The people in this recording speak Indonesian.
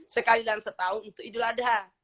sekali dalam setahun untuk idul adha